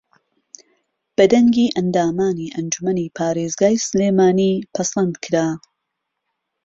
بە دەنگی ئەندامانی ئەنجوومەنی پارێزگای سلێمانی پەسەندکرا